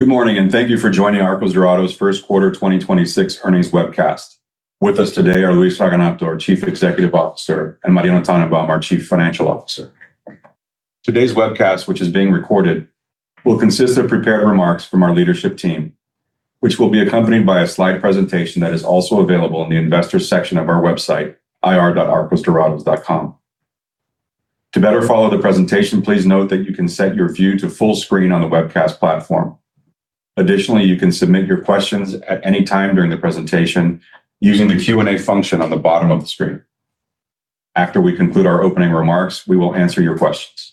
Good morning. Thank you for joining Arcos Dorados' First Quarter 2026 Earnings webcast. With us today are Luis Raganato, our Chief Executive Officer, and Mariano Tannenbaum, our Chief Financial Officer. Today's webcast, which is being recorded, will consist of prepared remarks from our leadership team, which will be accompanied by a slide presentation that is also available in the investors section of our website, ir.arcosdorados.com. To better follow the presentation, please note that you can set your view to full screen on the webcast platform. You can submit your questions at any time during the presentation using the Q&A function on the bottom of the screen. After we conclude our opening remarks, we will answer your questions.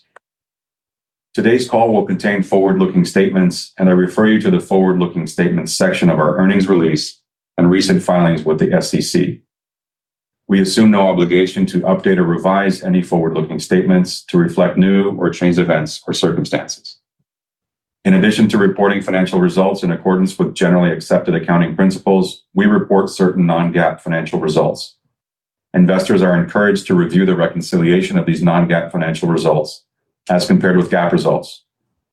Today's call will contain forward-looking statements. I refer you to the Forward-looking Statements section of our earnings release and recent filings with the SEC. We assume no obligation to update or revise any forward-looking statements to reflect new or changed events or circumstances. In addition to reporting financial results in accordance with Generally Accepted Accounting Principles, we report certain non-GAAP financial results. Investors are encouraged to review the reconciliation of these non-GAAP financial results as compared with GAAP results,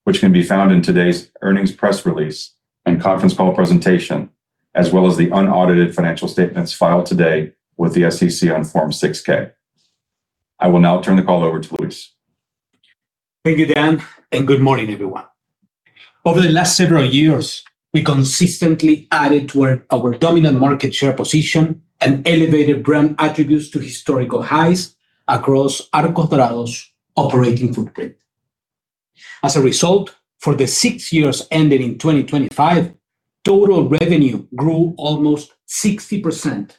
which can be found in today's earnings press release and conference call presentation, as well as the unaudited financial statements filed today with the SEC on Form 6-K. I will now turn the call over to Luis. Thank you, Dan. Good morning, everyone. Over the last several years, we consistently added to our dominant market share position and elevated brand attributes to historical highs across Arcos Dorados' operating footprint. As a result, for the six years ending 2025, total revenue grew almost 60%,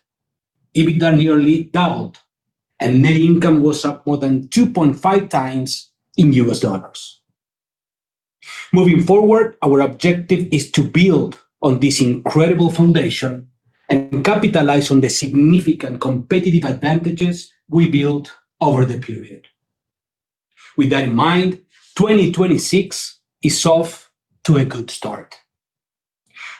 EBITDA nearly doubled, and net income was up more than 2.5x in U.S. dollars. Moving forward, our objective is to build on this incredible foundation and capitalize on the significant competitive advantages we built over the period. With that in mind, 2026 is off to a good start.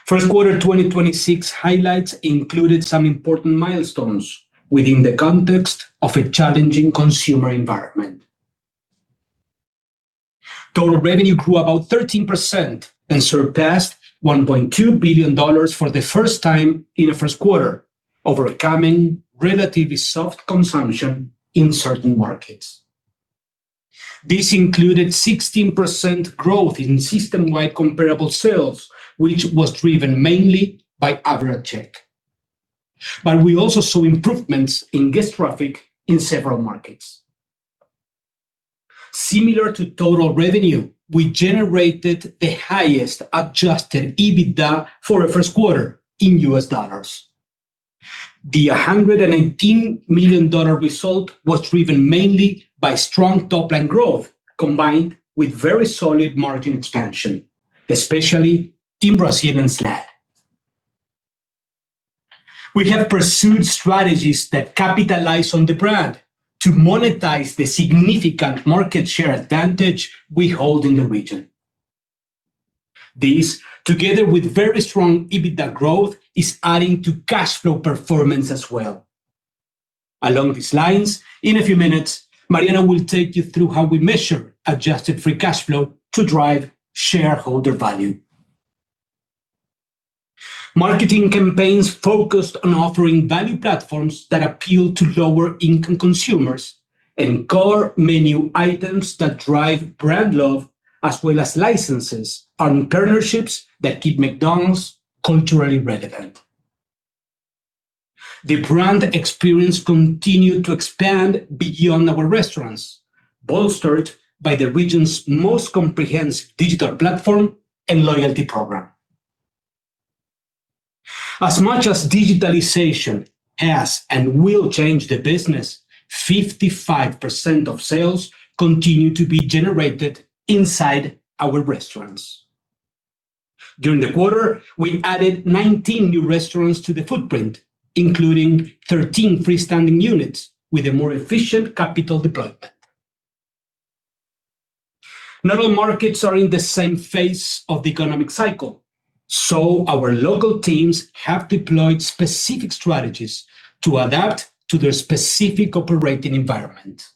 First quarter 2026 highlights included some important milestones within the context of a challenging consumer environment. Total revenue grew about 13% and surpassed $1.2 billion for the first time in the first quarter, overcoming relatively soft consumption in certain markets. This included 16% growth in system-wide comparable sales, which was driven mainly by average check. We also saw improvements in guest traffic in several markets. Similar to total revenue, we generated the highest adjusted EBITDA for a first quarter in U.S. dollars. The $119 million result was driven mainly by strong top-line growth, combined with very solid margin expansion, especially in Brazil and SLAD. We have pursued strategies that capitalize on the brand to monetize the significant market share advantage we hold in the region. This, together with very strong EBITDA growth, is adding to cash flow performance as well. Along these lines, in a few minutes, Mariano will take you through how we measure adjusted free cash flow to drive shareholder value. Marketing campaigns focused on offering value platforms that appeal to lower-income consumers and core menu items that drive brand love, as well as licenses and partnerships that keep McDonald's culturally relevant. The brand experience continued to expand beyond our restaurants, bolstered by the region's most comprehensive digital platform and loyalty program. As much as digitalization has and will change the business, 55% of sales continue to be generated inside our restaurants. During the quarter, we added 19 new restaurants to the footprint, including 13 freestanding units with a more efficient capital deployment. Not all markets are in the same phase of the economic cycle, so our local teams have deployed specific strategies to adapt to their specific operating environment.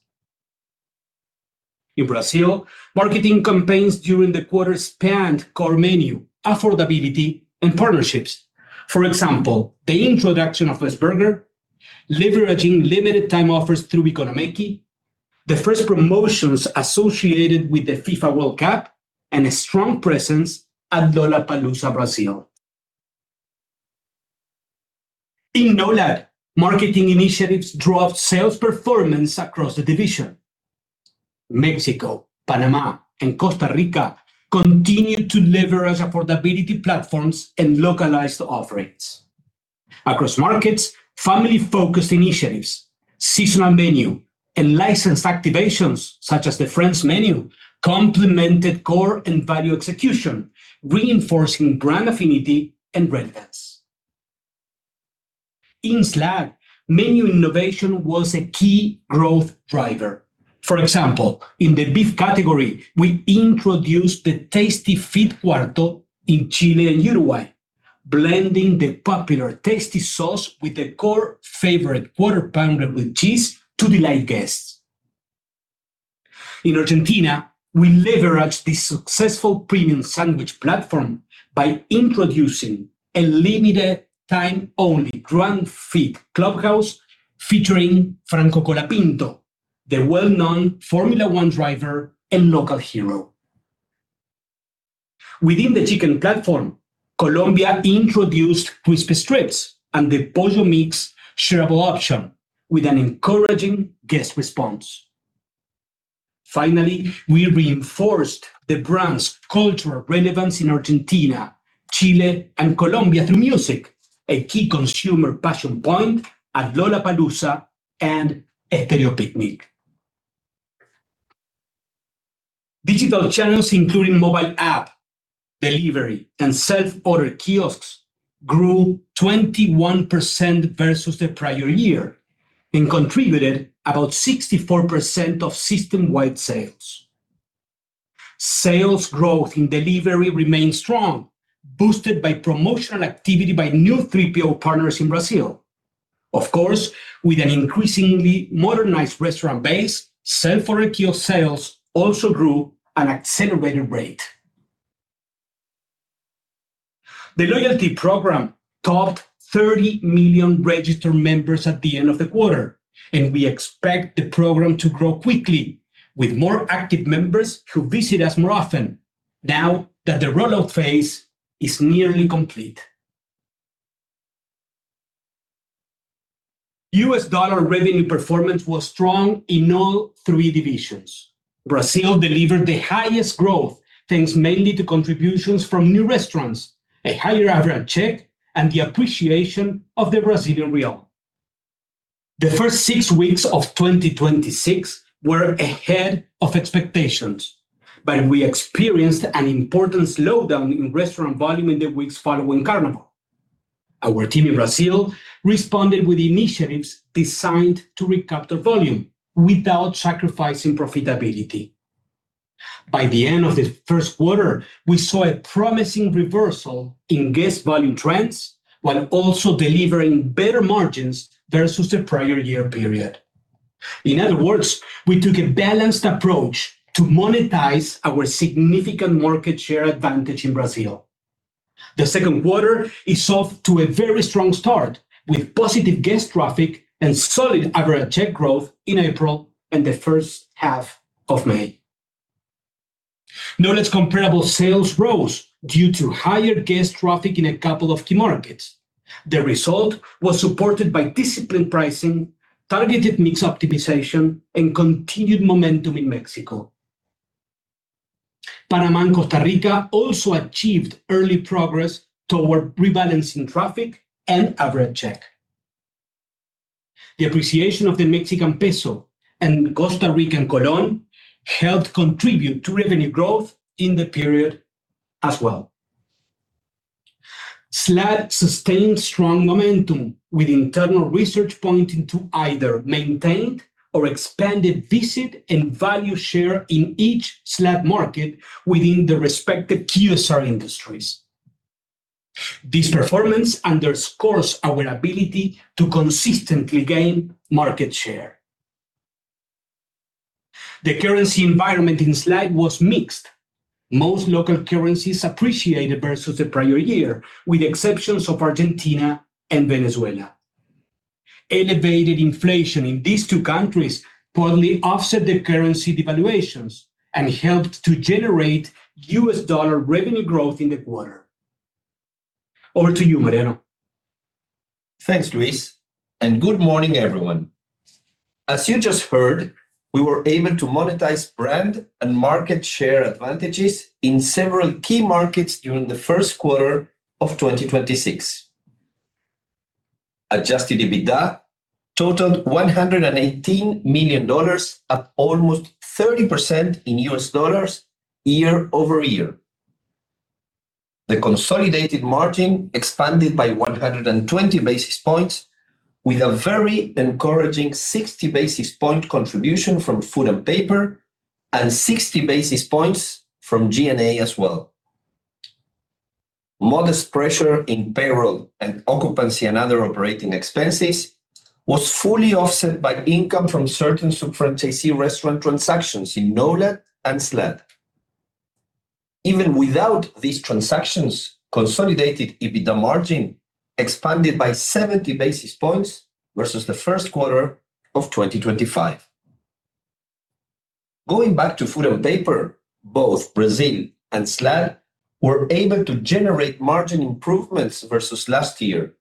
In Brazil, marketing campaigns during the quarter spanned core menu, affordability, and partnerships. For example, the introduction of Best Burger, leveraging limited-time offers through EconoMéqui, the first promotions associated with the FIFA World Cup, and a strong presence at Lollapalooza Brazil. In NOLAD, marketing initiatives drove sales performance across the division. Mexico, Panama, and Costa Rica continued to leverage affordability platforms and localized offerings. Across markets, family-focused initiatives, seasonal menu, and licensed activations, such as the Friends menu, complemented core and value execution, reinforcing brand affinity and relevance. In SLAD, menu innovation was a key growth driver. For example, in the beef category, we introduced the Tasty McQuarto in Chile and Uruguay, blending the popular Tasty Sauce with the core favorite Quarter Pounder with Cheese to delight guests. In Argentina, we leveraged the successful premium sandwich platform by introducing a limited time only Grand Feat Clubhouse featuring Franco Colapinto, the well-known Formula 1 driver and local hero. Within the chicken platform, Colombia introduced Crispy Strips and the Pollo Mix shareable option with an encouraging guest response. Finally, we reinforced the brand's cultural relevance in Argentina, Chile, and Colombia through music, a key consumer passion point at Lollapalooza and Estéreo Picnic. Digital channels, including mobile app, delivery, and self-order kiosks, grew 21% versus the prior year and contributed about 64% of system-wide sales. Sales growth in delivery remained strong, boosted by promotional activity by new 3PO partners in Brazil. Of course, with an increasingly modernized restaurant base, self-order kiosk sales also grew at an accelerated rate. The loyalty program topped 30 million registered members at the end of the quarter, and we expect the program to grow quickly with more active members who visit us more often now that the rollout phase is nearly complete. U.S. dollar revenue performance was strong in all three divisions. Brazil delivered the highest growth, thanks mainly to contributions from new restaurants, a higher average check, and the appreciation of the Brazilian real. The first six weeks of 2026 were ahead of expectations. We experienced an important slowdown in restaurant volume in the weeks following Carnaval. Our team in Brazil responded with initiatives designed to recoup the volume without sacrificing profitability. By the end of the first quarter, we saw a promising reversal in guest volume trends while also delivering better margins versus the prior year period. In other words, we took a balanced approach to monetize our significant market share advantage in Brazil. The second quarter is off to a very strong start with positive guest traffic and solid average check growth in April and the first half of May. NOLAD's comparable sales rose due to higher guest traffic in a couple of key markets. The result was supported by disciplined pricing, targeted mix optimization, and continued momentum in Mexico. Panama and Costa Rica also achieved early progress toward rebalancing traffic and average check. The appreciation of the Mexican peso and Costa Rican colón helped contribute to revenue growth in the period as well. SLAD sustained strong momentum with internal research pointing to either maintained or expanded visit and value share in each SLAD market within the respective QSR industries. This performance underscores our ability to consistently gain market share. The currency environment in SLAD was mixed. Most local currencies appreciated versus the prior year, with the exceptions of Argentina and Venezuela. Elevated inflation in these two countries partly offset the currency devaluations and helped to generate U.S. dollar revenue growth in the quarter. Over to you, Mariano. Thanks, Luis, and good morning, everyone. As you just heard, we were able to monetize brand and market share advantages in several key markets during the first quarter of 2026. Adjusted EBITDA totaled $118 million at almost 30% in U.S. dollars year-over-year. The consolidated margin expanded by 120 basis points with a very encouraging 60 basis point contribution from food and paper and 60 basis points from G&A as well. Modest pressure in payroll and occupancy and other operating expenses was fully offset by income from certain sub-franchisee restaurant transactions in NOLAD and SLAD. Even without these transactions, consolidated EBITDA margin expanded by 70 basis points versus the first quarter of 2025. Going back to food and paper, both Brazil and SLAD were able to generate margin improvements versus last year,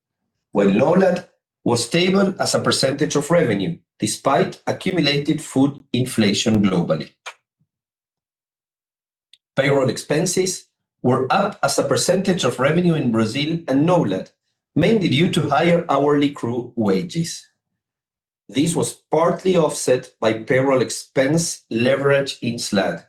while NOLAD was stable as a percentage of revenue despite accumulated food inflation globally. Payroll expenses were up as a percentage of revenue in Brazil and NOLAD, mainly due to higher hourly crew wages. This was partly offset by payroll expense leverage in SLAD.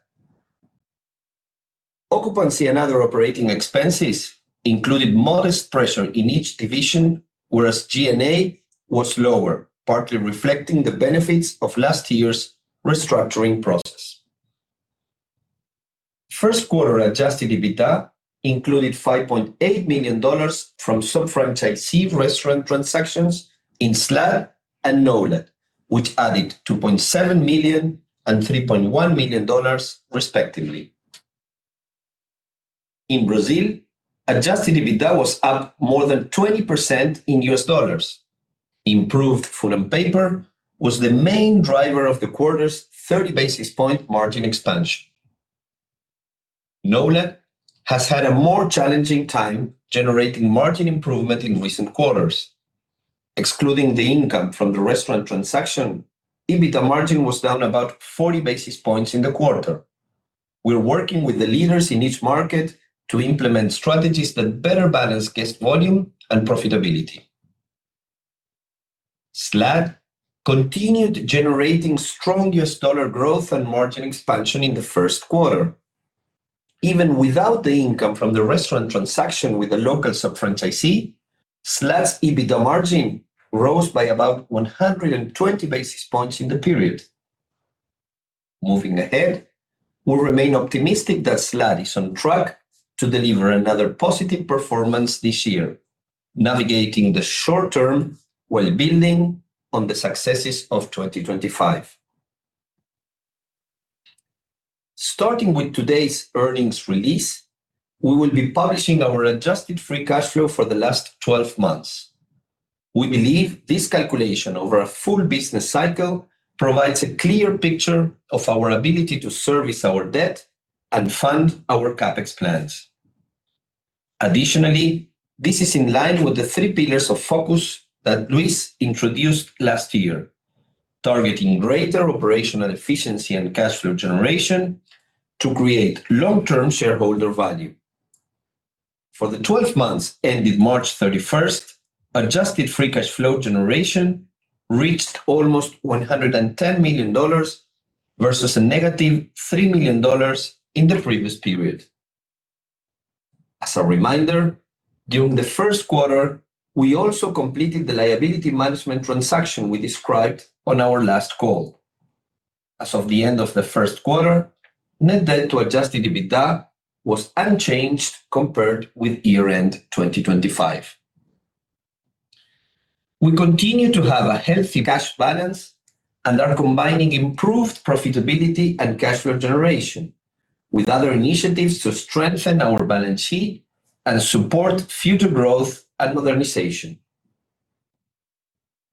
Occupancy and other operating expenses included modest pressure in each division, whereas G&A was lower, partly reflecting the benefits of last year's restructuring process. First quarter adjusted EBITDA included $5.8 million from sub-franchisee restaurant transactions in SLAD and NOLAD, which added $2.7 million and $3.1 million respectively. In Brazil, adjusted EBITDA was up more than 20% in U.S. dollars. Improved food and paper was the main driver of the quarter's 30 basis point margin expansion. NOLAD has had a more challenging time generating margin improvement in recent quarters. Excluding the income from the restaurant transaction, EBITDA margin was down about 40 basis points in the quarter. We're working with the leaders in each market to implement strategies that better balance guest volume and profitability. SLAD continued generating strong U.S. dollar Growth and margin expansion in the first quarter. Even without the income from the restaurant transaction with the local sub-franchisee, SLAD's EBITDA margin rose by about 120 basis points in the period. Moving ahead, we'll remain optimistic that SLAD is on track to deliver another positive performance this year, navigating the short term while building on the successes of 2025. Starting with today's earnings release, we will be publishing our adjusted free cash flow for the last 12 months. We believe this calculation over a full business cycle provides a clear picture of our ability to service our debt and fund our CapEx plans. This is in line with the three pillars of focus that Luis introduced last year, targeting greater operational efficiency and cash flow generation to create long-term shareholder value. For the 12 months ended March 31st, adjusted free cash flow generation reached almost $110 million versus a -$3 million in the previous period. As a reminder, during the first quarter, we also completed the liability management transaction we described on our last call. As of the end of the first quarter, net debt to adjusted EBITDA was unchanged compared with year-end 2025. We continue to have a healthy cash balance and are combining improved profitability and cash flow generation with other initiatives to strengthen our balance sheet and support future growth and modernization.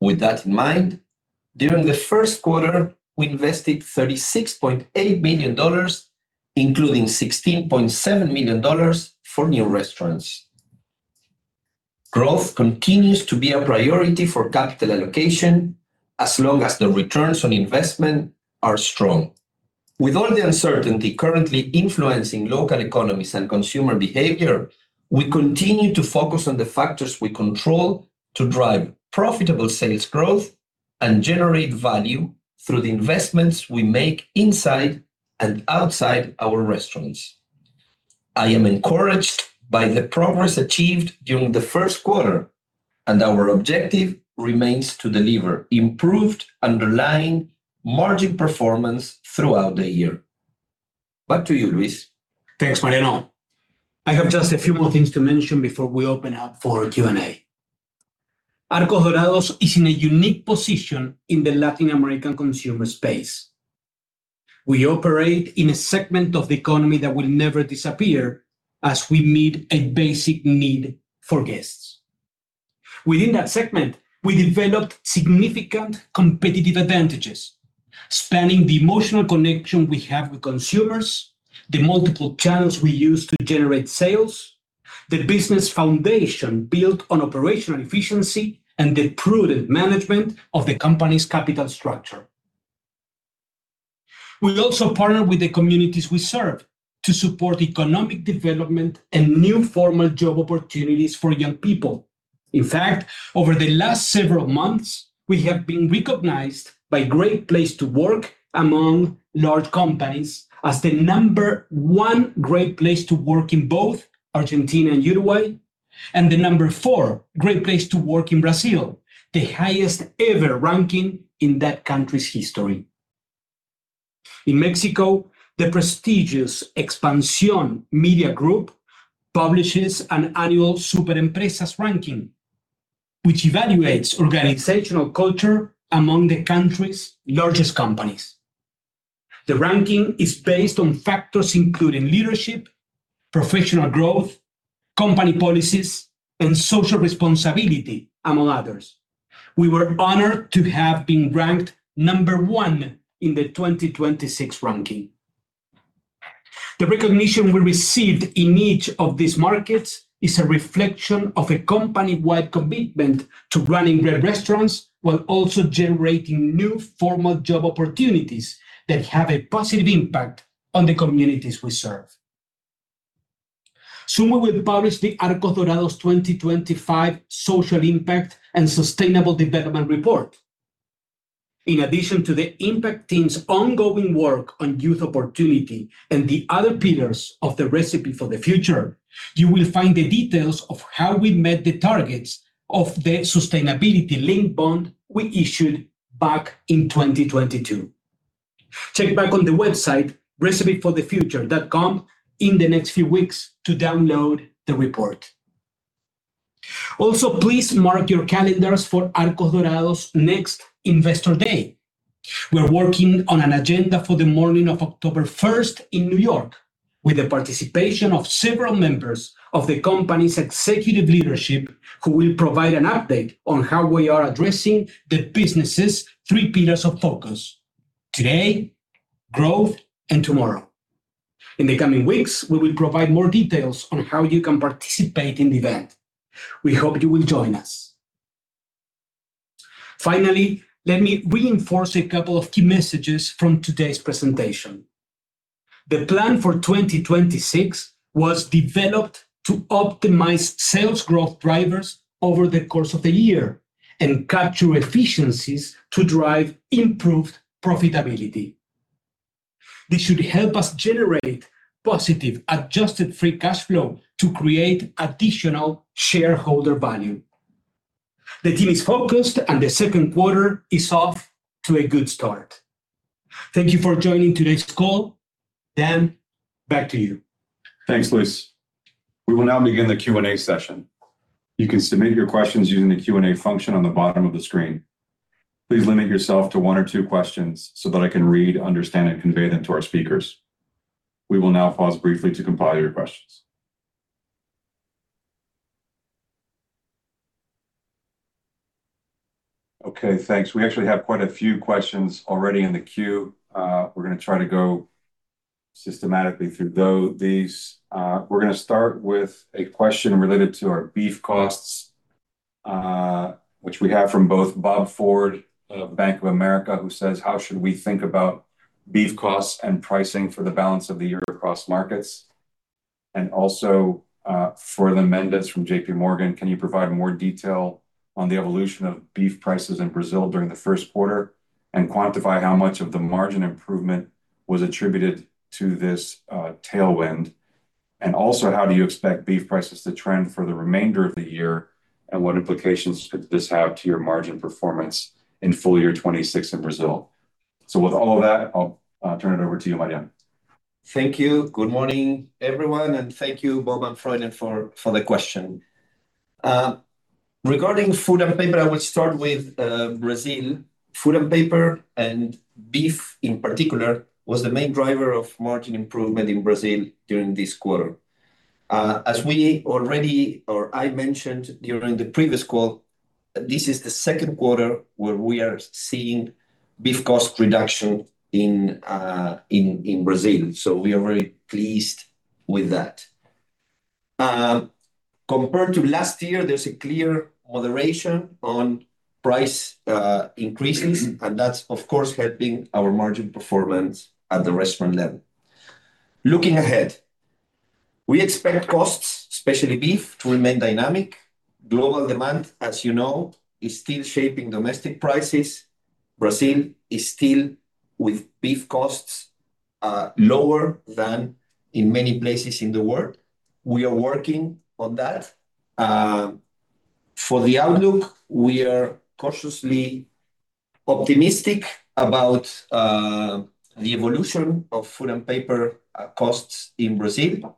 With that in mind, during the first quarter, we invested $36.8 million, including $16.7 million for new restaurants. Growth continues to be a priority for capital allocation as long as the returns on investment are strong. With all the uncertainty currently influencing local economies and consumer behavior, we continue to focus on the factors we control to drive profitable sales growth and generate value through the investments we make inside and outside our restaurants. I am encouraged by the progress achieved during the first quarter, and our objective remains to deliver improved underlying margin performance throughout the year. Back to you, Luis. Thanks, Mariano. I have just a few more things to mention before we open up for Q&A. Arcos Dorados is in a unique position in the Latin American consumer space. We operate in a segment of the economy that will never disappear, as we meet a basic need for guests. Within that segment, we developed significant competitive advantages, spanning the emotional connection we have with consumers, the multiple channels we use to generate sales, the business foundation built on operational efficiency, and the prudent management of the company's capital structure. We also partner with the communities we serve to support economic development and new formal job opportunities for young people. In fact, over the last several months, we have been recognized by Great Place to Work among large companies as the number one Great Place to Work in both Argentina and Uruguay and the number four Great Place to Work in Brazil, the highest ever ranking in that country's history. In Mexico, the prestigious Expansión Media Group publishes an annual Súper Empresas ranking, which evaluates organizational culture among the country's largest companies. The ranking is based on factors including leadership, professional growth, company policies, and social responsibility, among others. We were honored to have been ranked number one in the 2026 ranking. The recognition we received in each of these markets is a reflection of a company-wide commitment to running great restaurants while also generating new formal job opportunities that have a positive impact on the communities we serve. Soon, we will publish the Arcos Dorados 2025 Social Impact and Sustainable Development Report. In addition to the impact team's ongoing work on youth opportunity and the other pillars of the Recipe for the Future, you will find the details of how we met the targets of the sustainability-linked bond we issued back in 2022. Check back on the website recipeforthefuture.com in the next few weeks to download the report. Please mark your calendars for Arcos Dorados' next Investor Day. We're working on an agenda for the morning of October 1st in New York, with the participation of several members of the company's executive leadership who will provide an update on how we are addressing the business's three pillars of focus: today, growth, and tomorrow. In the coming weeks, we will provide more details on how you can participate in the event. We hope you will join us. Finally, let me reinforce two key messages from today's presentation. The plan for 2026 was developed to optimize sales growth drivers over the course of the year and capture efficiencies to drive improved profitability. This should help us generate positive adjusted free cash flow to create additional shareholder value. The team is focused, and the second quarter is off to a good start. Thank you for joining today's call. Dan, back to you. Thanks, Luis. We will now begin the Q&A session. You can submit your questions using the Q&A function on the bottom of the screen. Please limit yourself to one or two questions so that I can read, understand, and convey them to our speakers. We will now pause briefly to compile your questions. Okay, thanks. We actually have quite a few questions already in the queue. We're going to try to go systematically through these. We're going to start with a question related to our beef costs, which we have from both Bob Ford of Bank of America, who says: How should we think about beef costs and pricing for the balance of the year across markets? Also, Froylan Mendez from JPMorgan, can you provide more detail on the evolution of beef prices in Brazil during the first quarter, and quantify how much of the margin improvement was attributed to this tailwind? Also, how do you expect beef prices to trend for the remainder of the year, and what implications could this have to your margin performance in full year 2026 in Brazil? With all of that, I'll turn it over to you, Mariano. Thank you. Good morning, everyone, and thank you, Bob and Froy, for the question. Regarding food and paper, I will start with Brazil. Food and paper, and beef in particular, was the main driver of margin improvement in Brazil during this quarter. As I mentioned during the previous call, this is the second quarter where we are seeing beef cost reduction in Brazil. We are very pleased with that. Compared to last year, there's a clear moderation on price increases. That's, of course, helping our margin performance at the restaurant level. Looking ahead, we expect costs, especially beef, to remain dynamic. Global demand, as you know, is still shaping domestic prices. Brazil is still with beef costs lower than in many places in the world. We are working on that. For the outlook, we are cautiously optimistic about the evolution of food and paper costs in Brazil.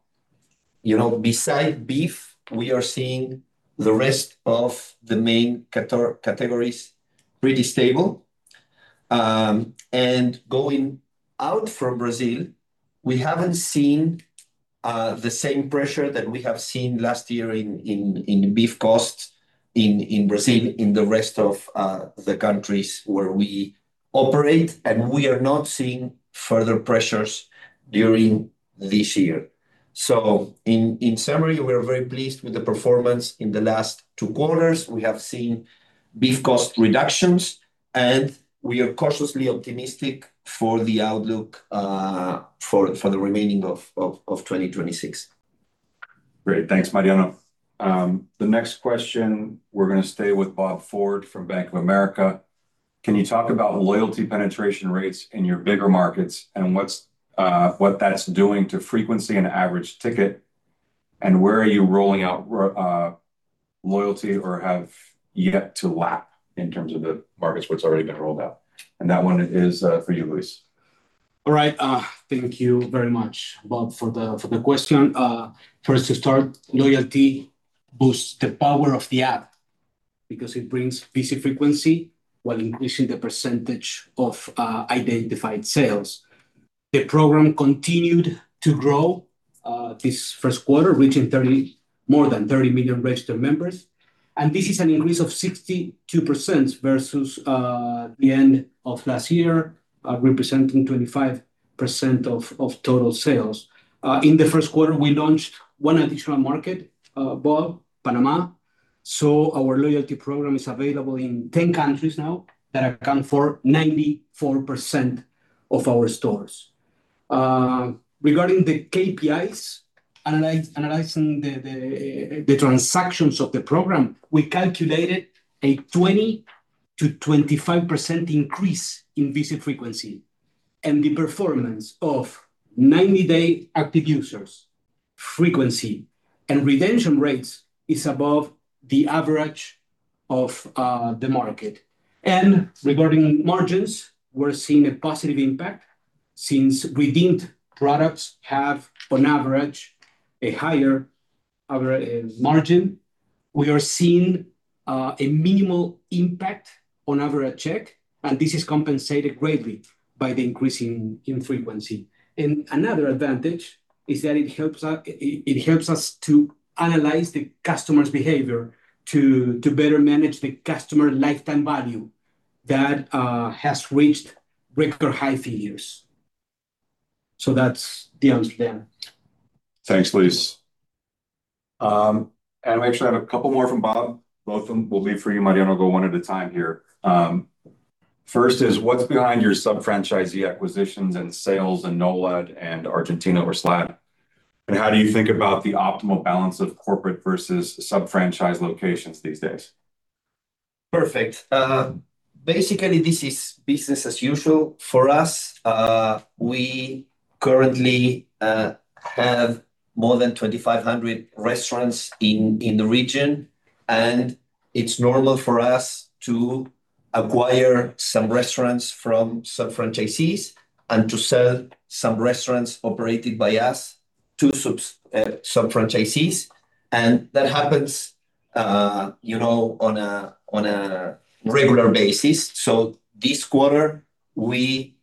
Beside beef, we are seeing the rest of the main categories pretty stable. Going out from Brazil, we haven't seen the same pressure that we have seen last year in beef costs in Brazil in the rest of the countries where we operate, and we are not seeing further pressures during this year. In summary, we are very pleased with the performance in the last two quarters. We have seen beef cost reductions, and we are cautiously optimistic for the outlook for the remaining of 2026. Great. Thanks, Mariano. The next question, we're going to stay with Bob Ford from Bank of America. Can you talk about loyalty penetration rates in your bigger markets and what that's doing to frequency and average ticket? Where are you rolling out loyalty or have yet to lap in terms of the markets where it's already been rolled out? That one is for you, Luis. All right. Thank you very much, Bob, for the question. First to start, loyalty boosts the power of the app because it brings visit frequency while increasing the percentage of identified sales. The program continued to grow this first quarter, reaching more than 30 million registered members. This is an increase of 62% versus the end of last year, representing 25% of total sales. In the first quarter, we launched one additional market, Bob, Panama, so our loyalty program is available in 10 countries now that account for 94% of our stores. Regarding the KPIs, analyzing the transactions of the program, we calculated a 20%-25% increase in visit frequency. The performance of 90-day active users, frequency, and retention rates is above the average of the market. Regarding margins, we're seeing a positive impact since redeemed products have, on average, a higher average margin. We are seeing a minimal impact on average check, and this is compensated greatly by the increase in frequency. Another advantage is that it helps us to analyze the customer's behavior to better manage the customer lifetime value that has reached record high figures. That's the answer, Dan. Thanks, Luis. We actually have a couple more from Bob. Both of them will be for you, Mariano. Go one at a time here. First is, what's behind your sub-franchisee acquisitions and sales in NOLAD and Argentina or SLAD? How do you think about the optimal balance of corporate versus sub-franchise locations these days? Perfect. Basically, this is business as usual for us. We currently have more than 2,500 restaurants in the region, and it's normal for us to acquire some restaurants from sub-franchisees and to sell some restaurants operated by us to sub-franchisees. That happens on a regular basis. This quarter, we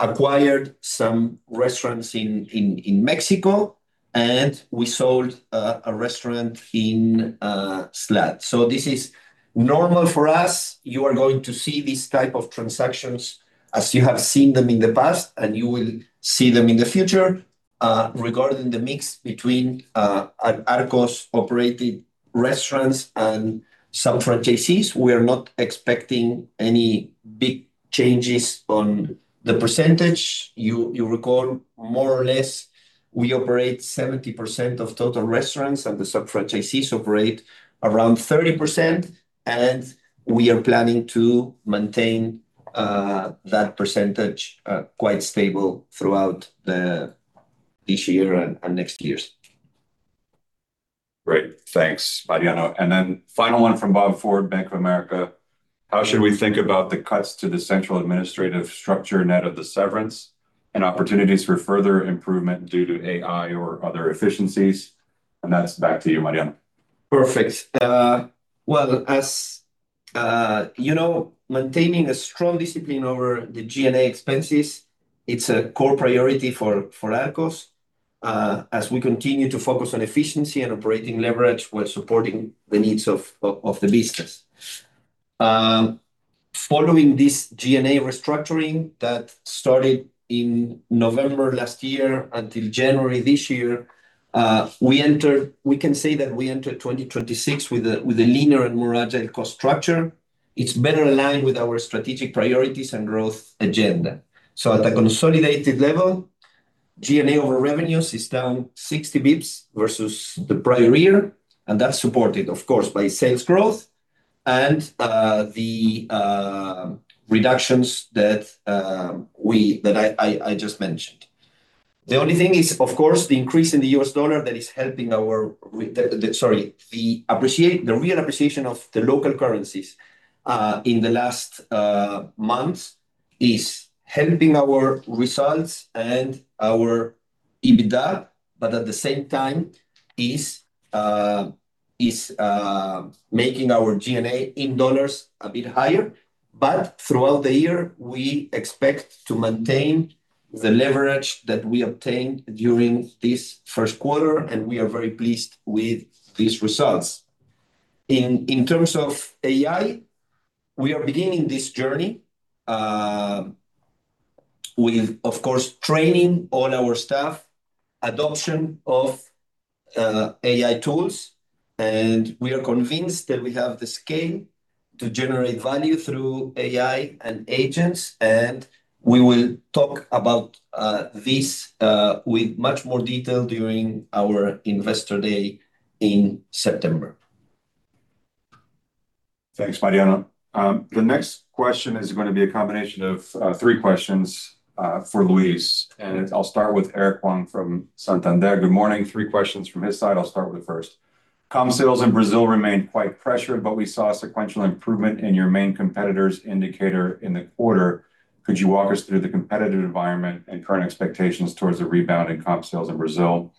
acquired some restaurants in Mexico, and we sold a restaurant in SLAD. This is normal for us. You are going to see these type of transactions as you have seen them in the past, and you will see them in the future. Regarding the mix between Arcos-operated restaurants and sub-franchisees, we are not expecting any big changes on the percentage. You recall more or less, we operate 70% of total restaurants, and the sub-franchisees operate around 30%, and we are planning to maintain that percentage quite stable throughout this year and next years. Great. Thanks, Mariano. Final one from Bob Ford, Bank of America. How should we think about the cuts to the central administrative structure net of the severance and opportunities for further improvement due to AI or other efficiencies? That's back to you, Mariano. Perfect. Well, as you know, maintaining a strong discipline over the G&A expenses, it's a core priority for Arcos. As we continue to focus on efficiency and operating leverage, we're supporting the needs of the business. Following this G&A restructuring that started in November last year until January this year, we can say that we enter 2026 with a leaner and more agile cost structure. It's better aligned with our strategic priorities and growth agenda. At a consolidated level, G&A over revenues is down 60 basis points versus the prior year. That's supported, of course, by sales growth and the reductions that I just mentioned. The only thing is, of course, the increase in the U.S. dollar that is helping our.....Sorry, the real appreciation of the local currencies in the last months is helping our results and our EBITDA, but at the same time is making our G&A in dollars a bit higher. Throughout the year, we expect to maintain the leverage that we obtained during this first quarter, and we are very pleased with these results. In terms of AI, we are beginning this journey with, of course, training all our staff, adoption of AI tools, and we are convinced that we have the scale to generate value through AI and agents, and we will talk about this with much more detail during our Investor Day in September. Thanks, Mariano. The next question is going to be a combination of three questions for Luis. I'll start with Eric Huang from Santander. Good morning. Three questions from his side. I'll start with the first. Comp sales in Brazil remained quite pressured. We saw a sequential improvement in your main competitor's indicator in the quarter. Could you walk us through the competitive environment and current expectations towards a rebound in comp sales in Brazil?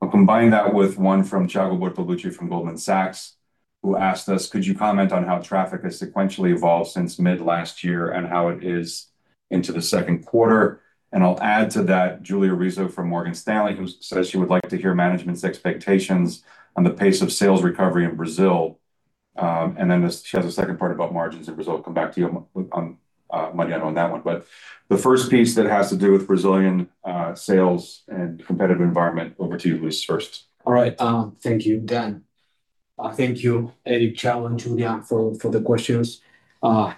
I'll combine that with one from Thiago Bortoluci from Goldman Sachs, who asked us, could you comment on how traffic has sequentially evolved since mid-last year and how it is into the second quarter? I'll add to that Julia Rizzo from Morgan Stanley, who says she would like to hear management's expectations on the pace of sales recovery in Brazil. Then she has a second part about margins in Brazil. Come back to you on Mariano on that one. The first piece that has to do with Brazilian sales and competitive environment, over to you, Luis, first. All right. Thank you, Dan. Thank you, Eric, Thiago, and Julia for the questions.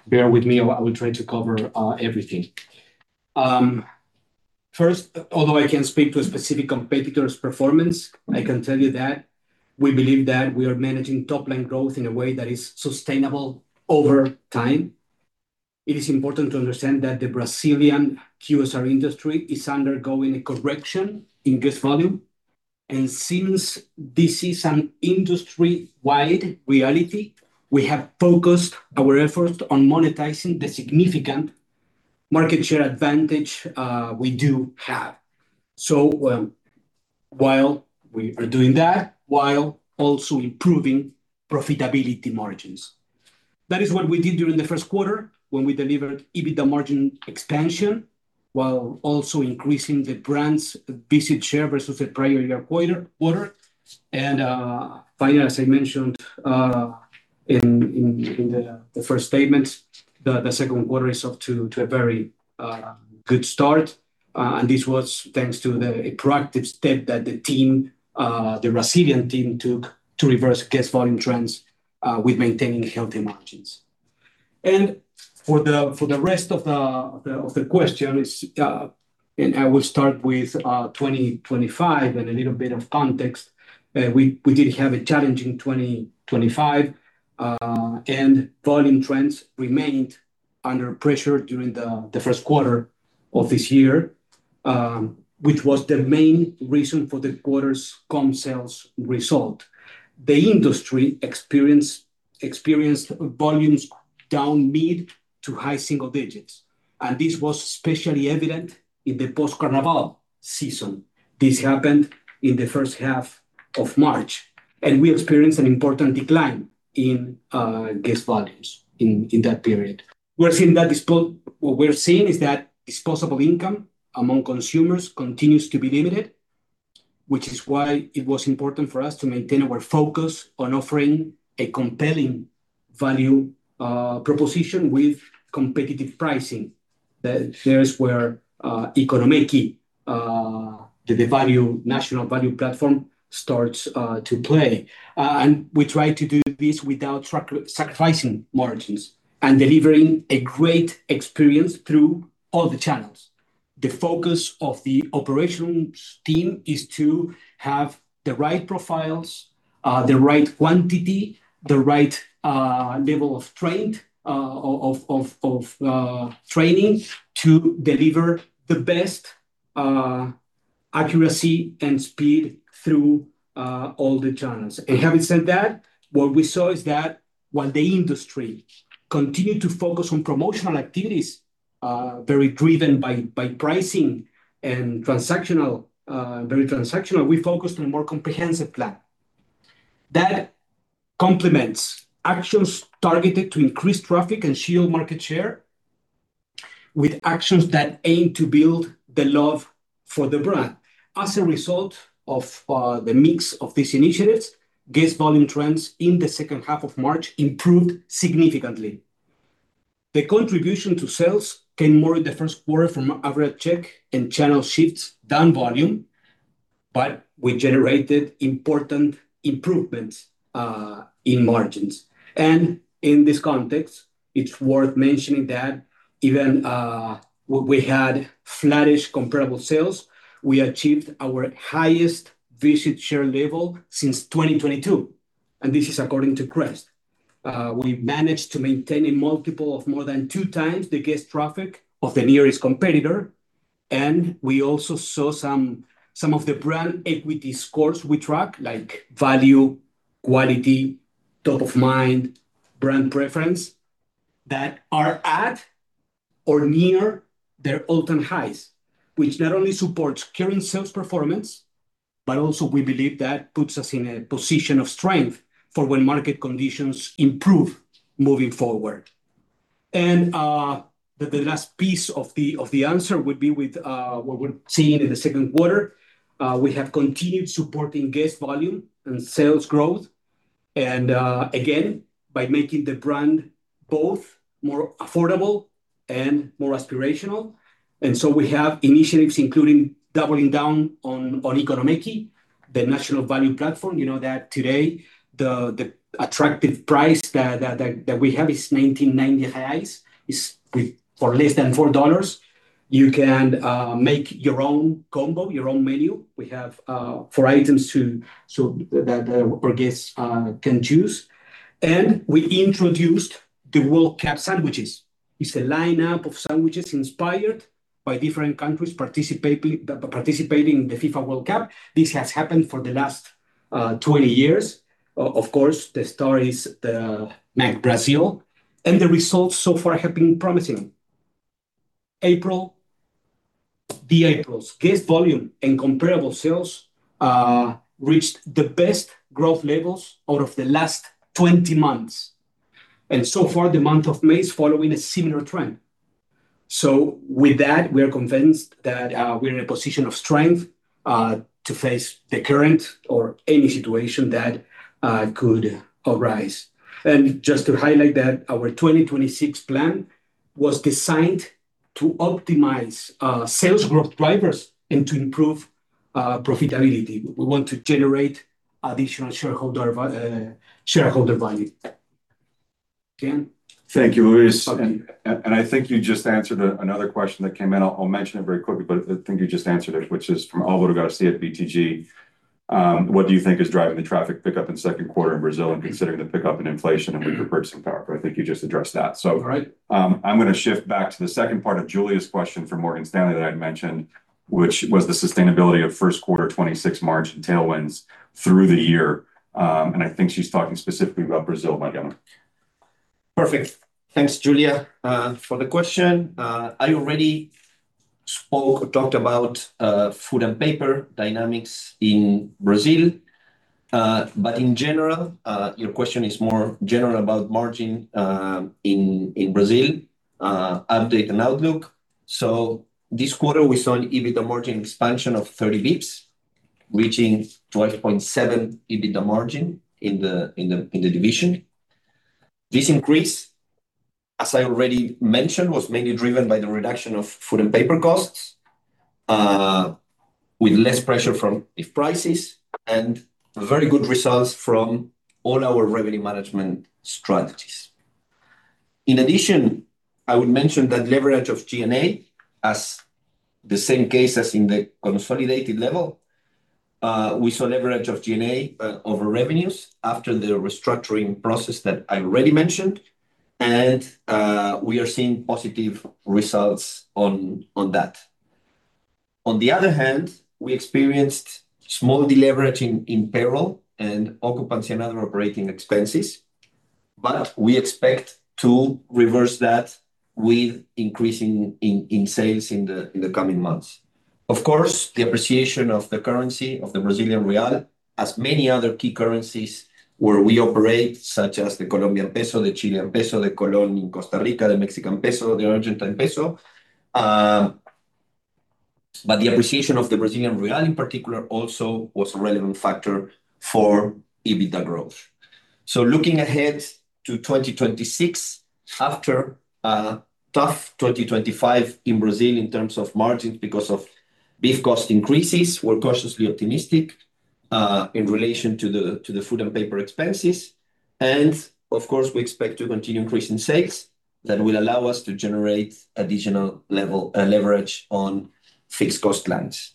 Bear with me. I will try to cover everything. First, although I can't speak to a specific competitor's performance, I can tell you that we believe that we are managing top-line growth in a way that is sustainable over time. It is important to understand that the Brazilian QSR industry is undergoing a correction in guest volume. Since this is an industry-wide reality, we have focused our effort on monetizing the significant market share advantage we do have. While we are doing that, while also improving profitability margins. That is what we did during the first quarter when we delivered EBITDA margin expansion while also increasing the brand's visit share versus the prior year quarter. Finally, as I mentioned in the first statement, the second quarter is off to a very good start, and this was thanks to the proactive step that the Brazilian team took to reverse guest volume trends with maintaining healthy margins. For the rest of the question, I will start with 2025 and a little bit of context. We did have a challenging 2025, and volume trends remained under pressure during the first quarter of this year, which was the main reason for the quarter's comp sales result. The industry experienced volumes down mid to high single digits, and this was especially evident in the post-Carnaval season. This happened in the first half of March, and we experienced an important decline in guest volumes in that period. What we're seeing is that disposable income among consumers continues to be limited, which is why it was important for us to maintain our focus on offering a compelling value proposition with competitive pricing. That is where EconoMéqui, the national value platform, starts to play. We try to do this without sacrificing margins and delivering a great experience through all the channels. The focus of the operations team is to have the right profiles, the right quantity, the right level of training to deliver the best accuracy and speed through all the channels. Having said that, what we saw is that while the industry continued to focus on promotional activities, very driven by pricing and very transactional, we focused on a more comprehensive plan that complements actions targeted to increase traffic and shield market share with actions that aim to build the love for the brand. As a result of the mix of these initiatives, guest volume trends in the second half of March improved significantly. The contribution to sales came more in the first quarter from average check and channel shifts down volume, but we generated important improvements in margins. In this context, it's worth mentioning that even we had flattish comparable sales, we achieved our highest visit share level since 2022, and this is according to CREST. We managed to maintain a multiple of more than 2x the guest traffic of the nearest competitor. We also saw some of the brand equity scores we track, like value, quality, top of mind, brand preference, that are at or near their all-time highs, which not only supports current sales performance, but also we believe that puts us in a position of strength for when market conditions improve moving forward. The last piece of the answer would be with what we're seeing in the second quarter. We have continued supporting guest volume and sales growth by making the brand both more affordable and more aspirational. We have initiatives including doubling down on EconoMéqui, the national value platform. You know that today the attractive price that we have is 19.90 reais. For less than $4, you can make your own combo, your own menu. We have four items that our guests can choose. We introduced the World Cup Sandwiches. It's a lineup of sandwiches inspired by different countries participating in the FIFA World Cup. This has happened for the last 20 years. Of course, the star is Brazil, and the results so far have been promising. April's guest volume and comparable sales reached the best growth levels out of the last 20 months, and so far the month of May is following a similar trend. With that, we are convinced that we are in a position of strength to face the current or any situation that could arise. Just to highlight that our 2026 plan was designed to optimize sales growth drivers and to improve profitability. We want to generate additional shareholder value. Dan? Thank you, Luis. I think you just answered another question that came in. I'll mention it very quickly, but I think you just answered it, which is from Alvaro Garcia at BTG. What do you think is driving the traffic pickup in second quarter in Brazil and considering the pickup in inflation and the purchasing power? I think you just addressed that. Right. I'm going to shift back to the second part of Julia's question from Morgan Stanley that I mentioned, which was the sustainability of first quarter 2026 March tailwinds through the year. I think she's talking specifically about Brazil, Mariano. Perfect. Thanks, Julia, for the question. I already talked about food and paper dynamics in Brazil. In general, your question is more general about margin in Brazil, update and outlook. This quarter, we saw an EBITDA margin expansion of 30 basis points, reaching 12.7 EBITDA margin in the division. This increase, as I already mentioned, was mainly driven by the reduction of food and paper costs, with less pressure from prices and very good results from all our revenue management strategies. In addition, I would mention that leverage of G&A as the same case as in the consolidated level. We saw leverage of G&A over revenues after the restructuring process that I already mentioned, and we are seeing positive results on that. On the other hand, we experienced small deleveraging in payroll and occupancy and other operating expenses, but we expect to reverse that with increasing in sales in the coming months. The appreciation of the currency of the Brazilian real, as many other key currencies where we operate, such as the Colombian peso, the Chilean peso, the Costa Rican colón, the Mexican peso, the Argentine peso. The appreciation of the Brazilian real in particular also was a relevant factor for EBITDA growth. Looking ahead to 2026, after a tough 2025 in Brazil in terms of margins because of beef cost increases, we're cautiously optimistic in relation to the food and paper expenses. Of course, we expect to continue increasing sales that will allow us to generate additional leverage on fixed cost lines.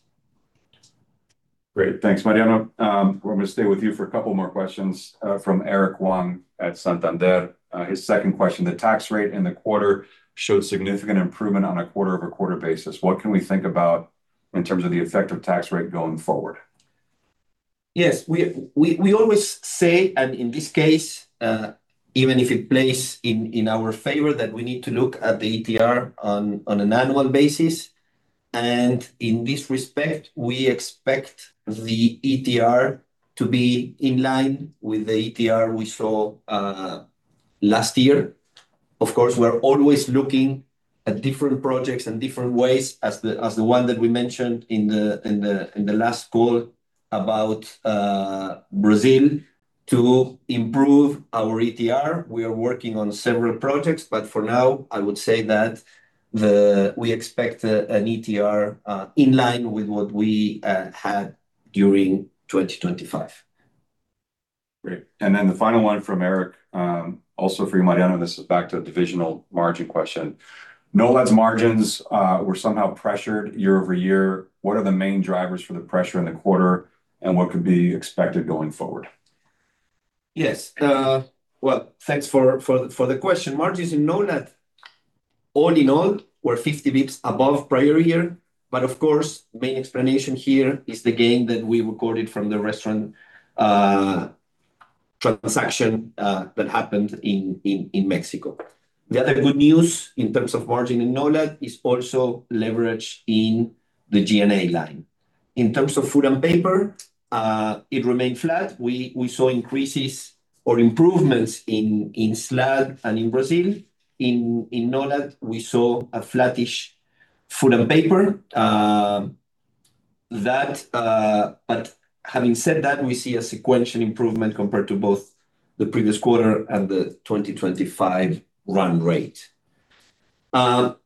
Great. Thanks, Mariano. We're going to stay with you for a couple more questions from Eric Huang at Santander. His second question, the tax rate in the quarter showed significant improvement on a quarter-over-quarter basis. What can we think about in terms of the effect of tax rate going forward? Yes. We always say, and in this case, even if it plays in our favor, that we need to look at the ETR on an annual basis. In this respect, we expect the ETR to be in line with the ETR we saw last year. Of course, we're always looking at different projects and different ways as the one that we mentioned in the last call about Brazil to improve our ETR. We are working on several projects, but for now, I would say that we expect an ETR in line with what we had during 2025. Great. The final one from Eric, also for you, Mariano. This is back to a divisional margin question. NOLAD's margins were somehow pressured year-over-year. What are the main drivers for the pressure in the quarter, and what could be expected going forward? Yes. Well, thanks for the question. Margins in NOLAD all in all were 50 basis points above prior year. Of course, main explanation here is the gain that we recorded from the restaurant transaction that happened in Mexico. The other good news in terms of margin in NOLAD is also leverage in the G&A line. In terms of food and paper, it remained flat. We saw increases or improvements in SLAD and in Brazil. In NOLAD, we saw a flattish food and paper. Having said that, we see a sequential improvement compared to both the previous quarter and the 2025 run rate. In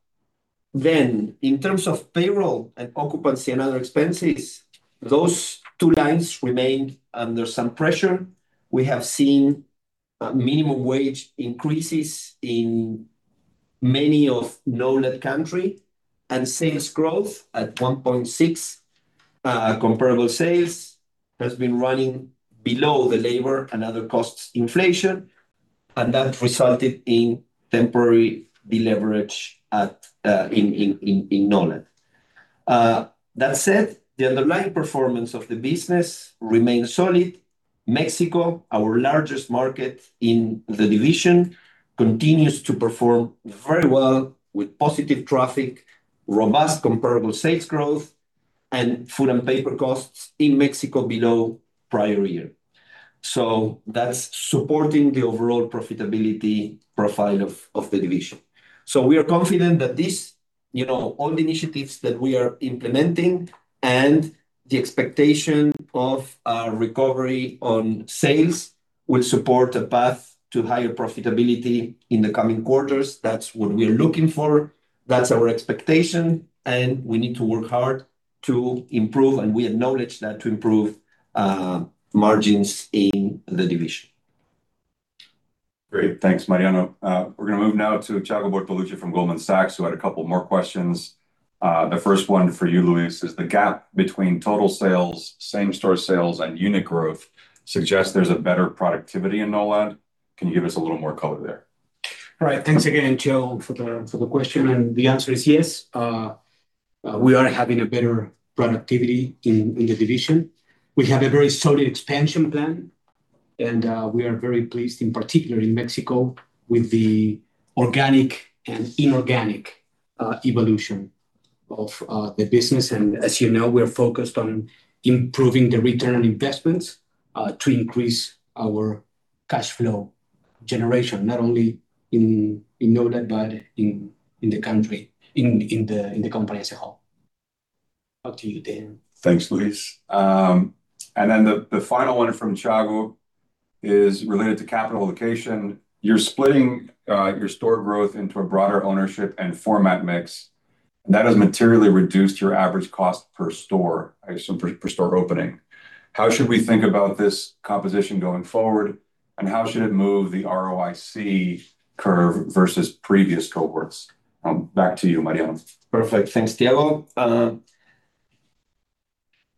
terms of payroll and occupancy and other expenses, those two lines remained under some pressure. We have seen minimum wage increases in many of NOLAD country, and sales growth at 1.6% comparable sales has been running below the labor and other costs inflation, and that resulted in temporary deleverage in NOLAD. That said, the underlying performance of the business remains solid. Mexico, our largest market in the division, continues to perform very well with positive traffic, robust comparable sales growth, and food and paper costs in Mexico below prior year. That's supporting the overall profitability profile of the division. We are confident that all the initiatives that we are implementing and the expectation of recovery on sales will support a path to higher profitability in the coming quarters. That's what we are looking for. That's our expectation, and we need to work hard to improve, and we acknowledge that to improve margins in the division. Great. Thanks, Mariano. We're going to move now to Thiago Bortoluci from Goldman Sachs, who had a couple more questions. The first one for you, Luis, is the gap between total sales, same-store sales, and unit growth suggest there's a better productivity in LatAm. Can you give us a little more color there? All right. Thanks again, Thiago, for the question, and the answer is yes. We are having a better productivity in the division. We have a very solid expansion plan, and we are very pleased, in particular, in Mexico, with the organic and inorganic evolution of the business. As you know, we're focused on improving the return on investments to increase our cash flow generation, not only in NOLAD but in the company as a whole. Back to you, Dan. Thanks, Luis. The final one from Thiago is related to capital allocation. You're splitting your store growth into a broader ownership and format mix, and that has materially reduced your average cost per store opening. How should we think about this composition going forward, and how should it move the ROIC curve versus previous cohorts? Back to you, Mariano. Perfect. Thanks, Thiago.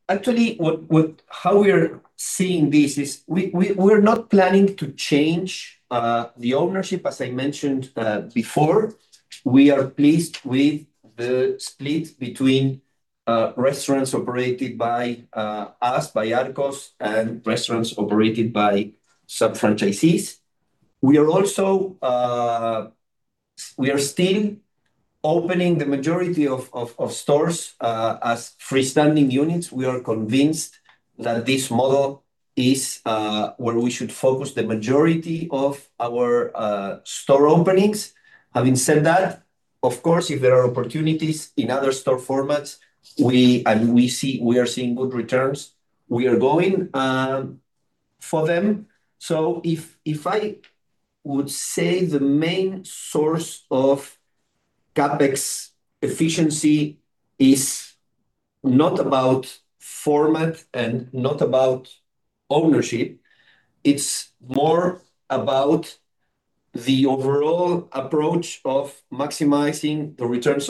Actually, how we are seeing this is we're not planning to change the ownership. As I mentioned before, we are pleased with the split between restaurants operated by us, by Arcos, and restaurants operated by sub-franchisees. We are still opening the majority of stores as freestanding units. We are convinced that this model is where we should focus the majority of our store openings. Having said that, of course, if there are opportunities in other store formats, and we are seeing good returns, we are going for them. If I would say the main source of CapEx efficiency is not about format and not about ownership. It's more about the overall approach of maximizing the returns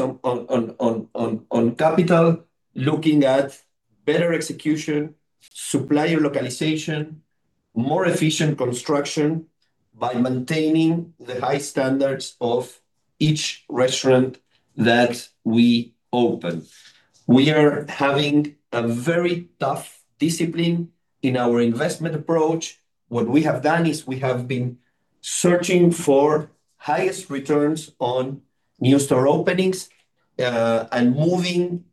on capital, looking at better execution, supplier localization, more efficient construction by maintaining the high standards of each restaurant that we open. We are having a very tough discipline in our investment approach. What we have done is we have been searching for highest returns on new store openings, and moving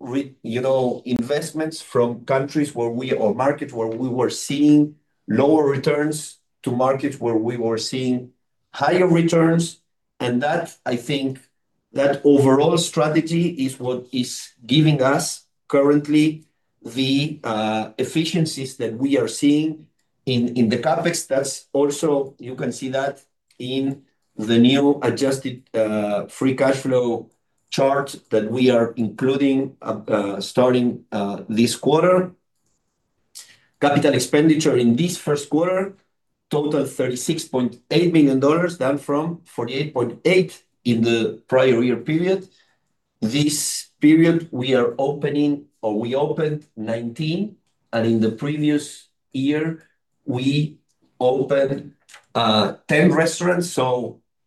investments from countries or markets where we were seeing lower returns to markets where we were seeing higher returns. I think that overall strategy is what is giving us currently the efficiencies that we are seeing in the CapEx. Also, you can see that in the new adjusted free cash flow chart that we are including starting this quarter. Capital expenditure in this first quarter totaled $36.8 million, down from $48.8 million in the prior year period. This period, we opened 19, and in the previous year, we opened 10 restaurants.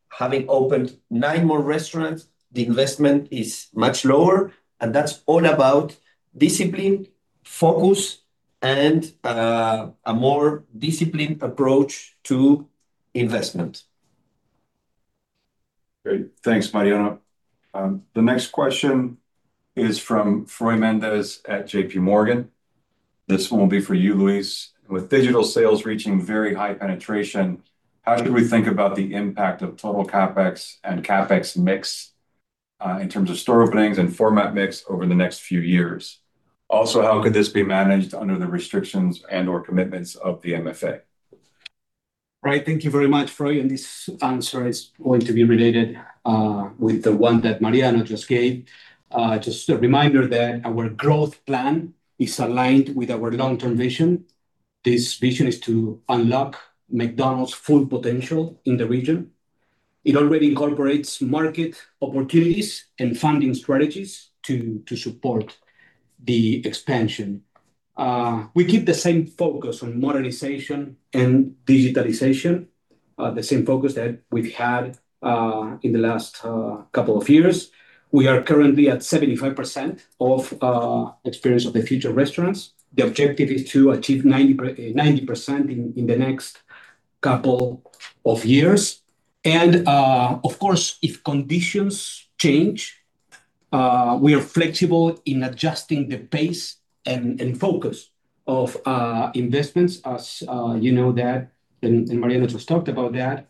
Having opened nine more restaurants, the investment is much lower, and that's all about discipline, focus, and a more disciplined approach to investment. Great. Thanks, Mariano. The next question is from Froylan Mendez at JPMorgan. This one will be for you, Luis. With digital sales reaching very high penetration, how should we think about the impact of total CapEx and CapEx mix, in terms of store openings and format mix over the next few years? Also, how could this be managed under the restrictions and/or commitments of the MFA? Right. Thank you very much, Froy, and this answer is going to be related with the one that Mariano just gave. Just a reminder that our growth plan is aligned with our long-term vision. This vision is to unlock McDonald's full potential in the region. It already incorporates market opportunities and funding strategies to support the expansion. We keep the same focus on modernization and digitalization, the same focus that we've had in the last couple of years. We are currently at 75% of Experience of the Future restaurants. The objective is to achieve 90% in the next couple of years. And of course, if conditions change, we are flexible in adjusting the pace and focus of investments as you know that, and Mariano just talked about that,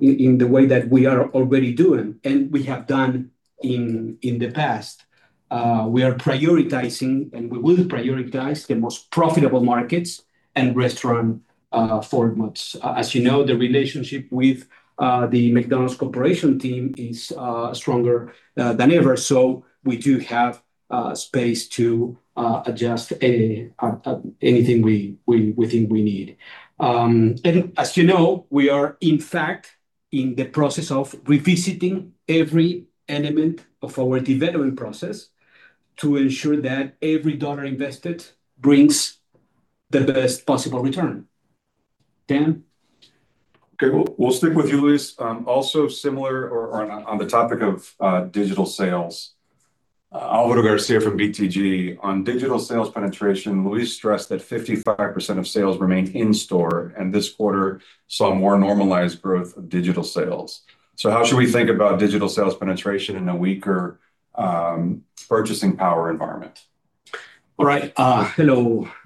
in the way that we are already doing, and we have done in the past. We are prioritizing, and we will prioritize the most profitable markets and restaurant formats. As you know, the relationship with the McDonald's Corporation team is stronger than ever. We do have space to adjust anything we think we need. As you know, we are in fact in the process of revisiting every element of our development process to ensure that every $1 invested brings the best possible return. Dan? Okay. We'll stick with you, Luis. Also similar or on the topic of digital sales, Alvaro Garcia from BTG, on digital sales penetration, Luis stressed that 55% of sales remained in store, and this quarter saw more normalized growth of digital sales. How should we think about digital sales penetration in a weaker purchasing power environment? All right. Hello,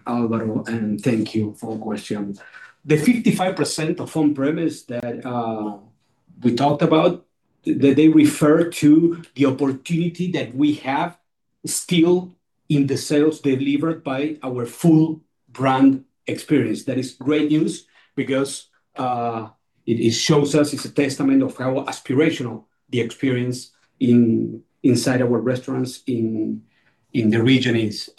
Alvaro, and thank you for question. The 55% of on-premise that we talked about, they refer to the opportunity that we have still in the sales delivered by our full brand experience. That is great news because it shows us it's a testament of how aspirational the experience inside our restaurants in the region is.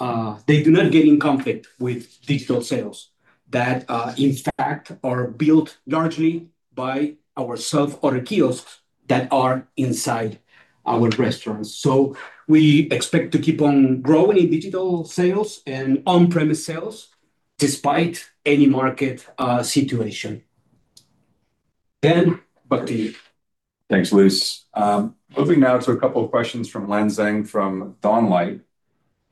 They do not get in conflict with digital sales that, in fact, are built largely by our self-order kiosks that are inside our restaurants. We expect to keep on growing in digital sales and on-premise sales despite any market situation. Dan, back to you. Thanks, Luis. Moving now to a couple questions from Lan Zheng from DawnLight.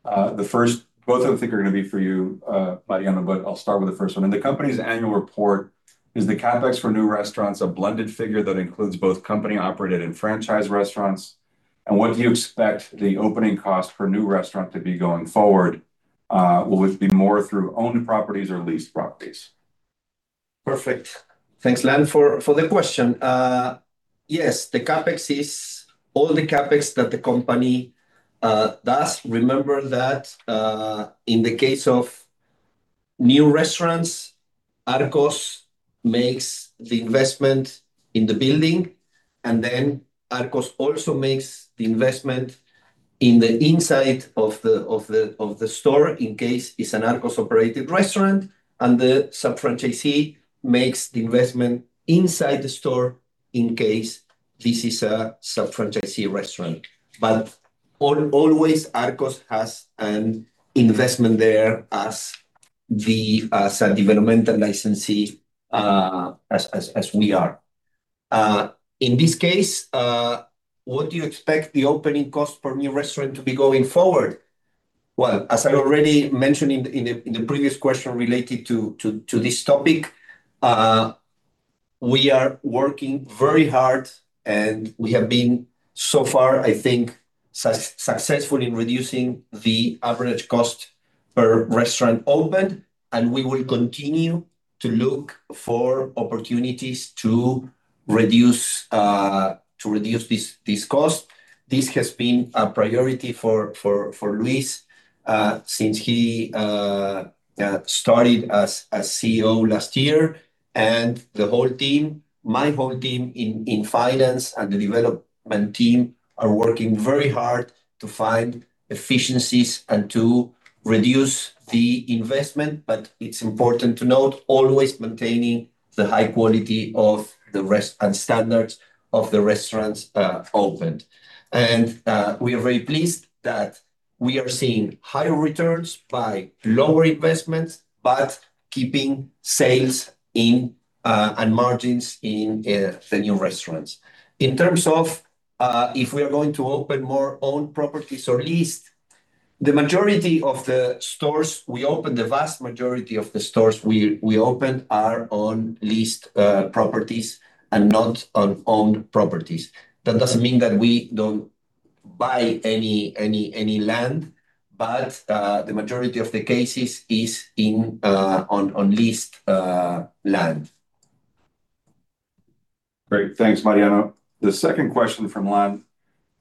Both of them, I think are going to be for you, Mariano, but I'll start with the first one. In the company's annual report, is the CapEx for new restaurants a blended figure that includes both company-operated and franchise restaurants? What do you expect the opening cost for one new restaurant to be going forward? Will it be more through owned properties or leased properties? Perfect. Thanks, Lan, for the question. Yes, the CapEx is all the CapEx that the company does. Remember that in the case of new restaurants, Arcos makes the investment in the building, and then Arcos also makes the investment in the inside of the store in case it's an Arcos-operated restaurant, and the sub-franchisee makes the investment inside the store in case this is a sub-franchisee restaurant. Always, Arcos has an investment there as a developmental licensee, as we are. In this case, what do you expect the opening cost per new restaurant to be going forward? Well, as I already mentioned in the previous question related to this topic, we are working very hard and we have been so far, I think, successful in reducing the average cost per restaurant opened, and we will continue to look for opportunities to reduce this cost. This has been a priority for Luis since he started as CEO last year. The whole team, my whole team in finance and the development team are working very hard to find efficiencies and to reduce the investment. It's important to note, always maintaining the high quality and standards of the restaurants opened. We are very pleased that we are seeing higher returns by lower investments, but keeping sales in, and margins in the new restaurants. In terms of if we are going to open more own properties or leased, the majority of the stores we opened, the vast majority of the stores we opened are on leased properties and not on owned properties. That doesn't mean that we don't buy any land. The majority of the cases is on leased land. Great. Thanks, Mariano. The second question from Lan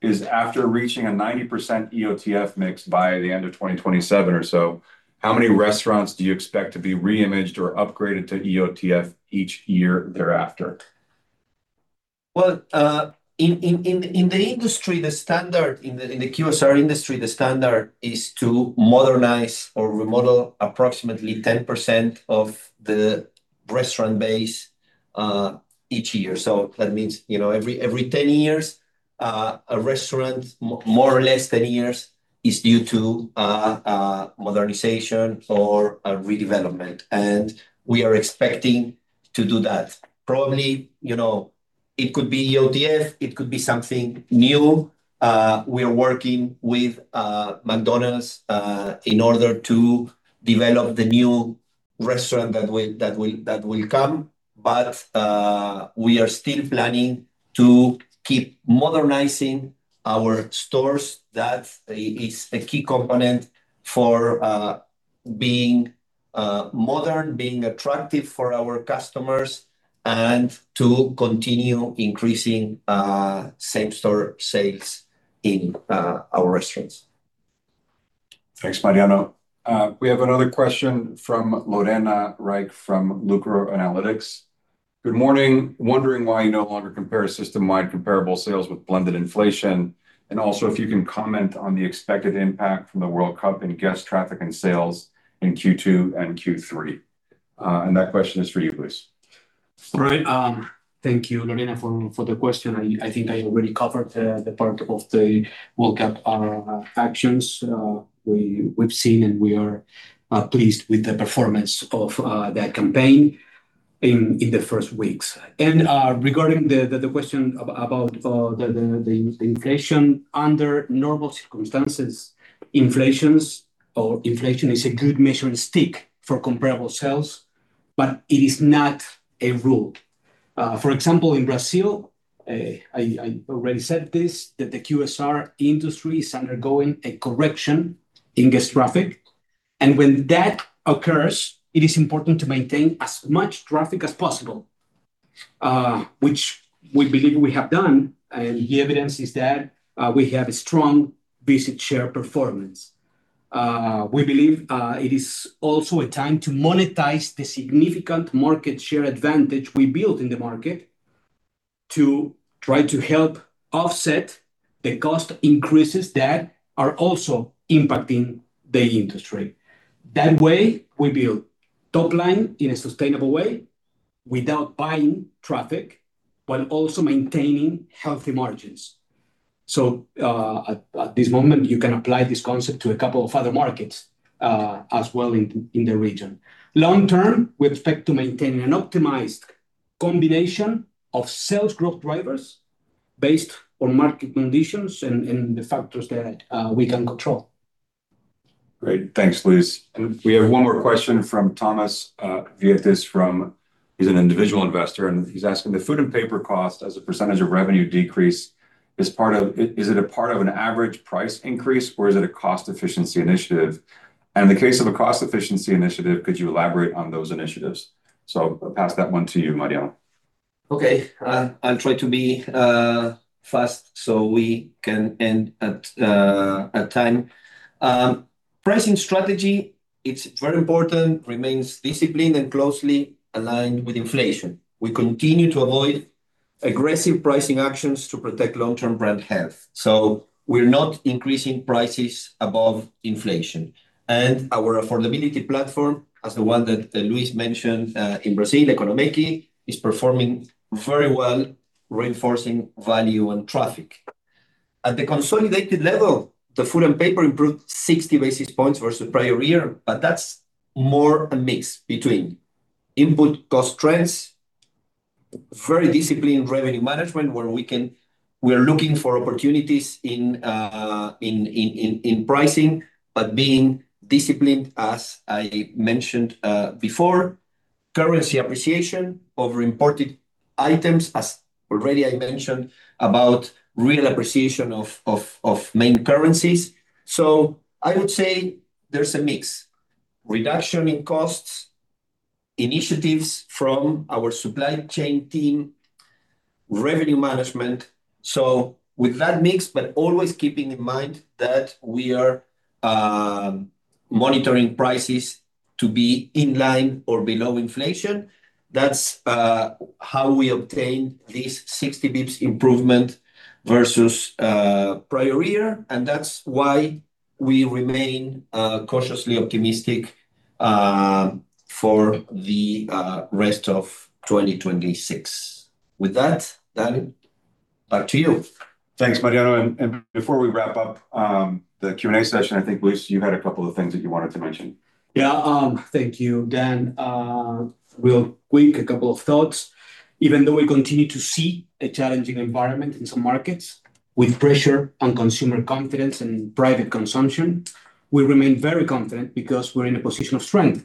is after reaching a 90% EOTF mix by the end of 2027 or so, how many restaurants do you expect to be reimaged or upgraded to EOTF each year thereafter? In the QSR industry, the standard is to modernize or remodel approximately 10% of the restaurant base each year. That means every 10 years, a restaurant, more or less 10 years, is due to modernization or a redevelopment. We are expecting to do that. Probably, it could be EOTF, it could be something new. We are working with McDonald's in order to develop the new restaurant that will come. We are still planning to keep modernizing our stores. That is a key component for being modern, being attractive for our customers, and to continue increasing same-store sales in our restaurants. Thanks, Mariano. We have another question from Lorena Reich from Lucror Analytics. "Good morning. Wondering why you no longer compare system-wide comparable sales with blended inflation, and also if you can comment on the expected impact from the World Cup in guest traffic and sales in Q2 and Q3?" That question is for you, Luis. Right. Thank you, Lorena, for the question. I think I already covered the part of the World Cup actions we've seen, and we are pleased with the performance of that campaign in the first weeks. Regarding the question about the inflation. Under normal circumstances, inflation is a good measuring stick for comparable sales, but it is not a rule. For example, in Brazil, I already said this, that the QSR industry is undergoing a correction in guest traffic. When that occurs, it is important to maintain as much traffic as possible, which we believe we have done. The evidence is that we have a strong visit share performance. We believe it is also a time to monetize the significant market share advantage we built in the market to try to help offset the cost increases that are also impacting the industry. That way, we build top line in a sustainable way without buying traffic, while also maintaining healthy margins. At this moment, you can apply this concept to a couple of other markets as well in the region. Long term, we expect to maintain an optimized combination of sales growth drivers based on market conditions and the factors that we can control. Great. Thanks, Luis. We have one more question from Thomas Vietas. He's an individual investor, and he's asking: The food and paper cost as a percentage of revenue decrease, is it a part of an average price increase, or is it a cost efficiency initiative? In the case of a cost efficiency initiative, could you elaborate on those initiatives? I'll pass that one to you, Mariano. Okay. I'll try to be fast so we can end at time. Pricing strategy, it's very important, remains disciplined and closely aligned with inflation. We continue to avoid aggressive pricing actions to protect long-term brand health. We're not increasing prices above inflation. Our affordability platform, as the one that Luis mentioned in Brazil, EconoMéqui, is performing very well, reinforcing value and traffic. At the consolidated level, the food and paper improved 60 basis points versus prior year, that's more a mix between input cost trends, very disciplined revenue management, where we are looking for opportunities in pricing, being disciplined, as I mentioned before. Currency appreciation over imported items, as already I mentioned about Brazilian real appreciation of main currencies. I would say there's a mix, reduction in costs, initiatives from our supply chain team, revenue management. With that mix, but always keeping in mind that we are monitoring prices to be in line or below inflation. That's how we obtained this 60 basis points improvement versus prior year. That's why we remain cautiously optimistic for the rest of 2026. With that, Dan, back to you. Thanks, Mariano. Before we wrap up the Q&A session, I think, Luis, you had a couple of things that you wanted to mention. Thank you, Dan. Real quick, a couple of thoughts. Even though we continue to see a challenging environment in some markets with pressure on consumer confidence and private consumption, we remain very confident because we're in a position of strength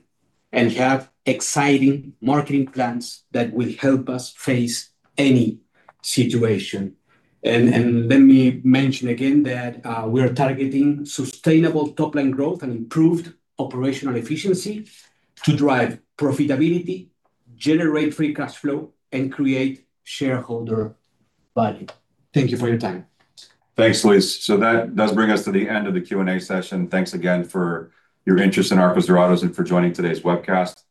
and have exciting marketing plans that will help us face any situation. Let me mention again that we are targeting sustainable top-line growth and improved operational efficiency to drive profitability, generate free cash flow, and create shareholder value. Thank you for your time. Thanks, Luis. That does bring us to the end of the Q&A session. Thanks again for your interest in Arcos Dorados and for joining today's webcast.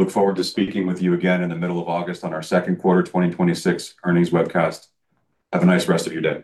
Look forward to speaking with you again in the middle of August on our second quarter 2026 earnings webcast. Have a nice rest of your day.